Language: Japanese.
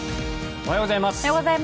おはようございます。